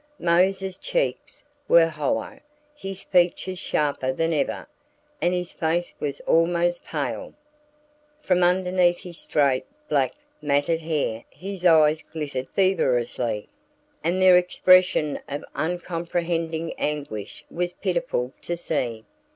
Mose's cheeks were hollow, his features sharper than ever, and his face was almost pale. From underneath his straight, black, matted hair his eyes glittered feverishly, and their expression of uncomprehending anguish was pitiful to see.